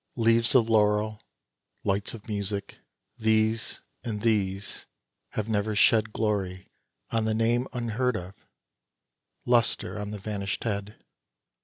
Leaves of laurel, lights of music these and these have never shed Glory on the name unheard of, lustre on the vanished head.